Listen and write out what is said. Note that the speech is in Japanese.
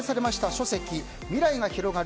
書籍「未来が広がる！